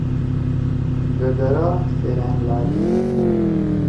گگرا سیرأن لھادی۔